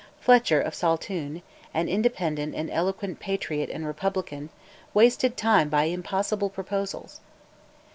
Fletcher of Saltoun, an independent and eloquent patriot and republican, wasted time by impossible proposals.